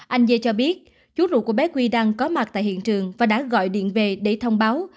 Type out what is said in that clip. anh dê cho biết chú ruột của bé quy đang có mặt tại hiện trường và đã gọi điện về để thông báo